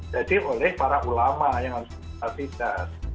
jadi oleh para ulama yang harus dikasih dasar